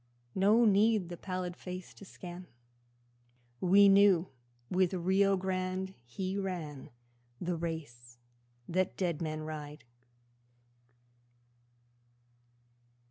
No need the pallid face to scan, We knew with Rio Grande he ran The race the dead men ride.